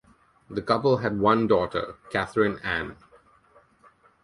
The couple had one daughter, Katharine Ann.